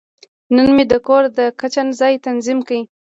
نن مې د کور د کچن ځای تنظیم کړ.